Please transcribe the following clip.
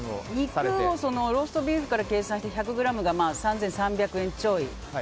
肉をローストビーフから計算して１００ｇが３３００円ちょい。